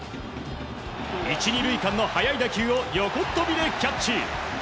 １、２塁間の早い打球を横っ飛びでキャッチ。